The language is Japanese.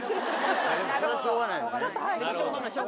しょうがないよ